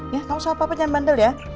ya kamu sama papa pengen bandel ya